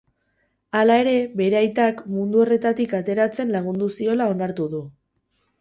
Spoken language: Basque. Halere, bere aitak mundu horretatik ateratzen lagundu ziola onartu du.